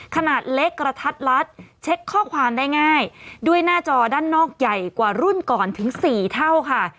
ขนาดเล็กกระทัดลัดเช็คข้อความได้ง่ายด้วยหน้าจอด้านนอกใหญ่กว่ารุ่นก่อนถึง๔เท่าค่ะ